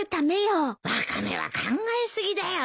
ワカメは考え過ぎだよ。